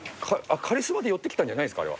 カリスマで寄ってきたんじゃないんですか？